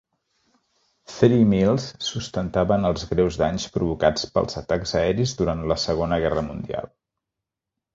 Three Mills sustentaven els greus danys provocats pels atacs aeris durant la Segona Guerra Mundial.